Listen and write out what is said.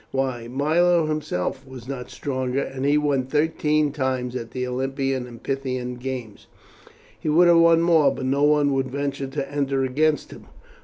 Why, Milo himself was not stronger, and he won thirteen times at the Olympian and Pythian games. He would have won more, but no one would venture to enter against him.